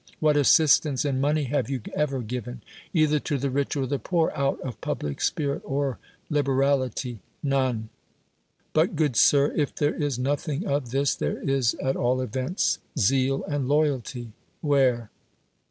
What assistance in money have you ever given, either to the rich or the poor, out of I)ublic spirit or liberality? None. But, good sir, if there is nothing of this, tli(>re is at all events zeal and loyalty. Where?